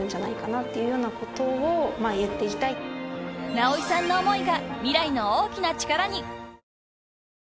［直井さんの思いが未来の大きな力に］